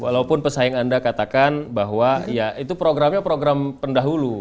walaupun pesaing anda katakan bahwa ya itu programnya program pendahulu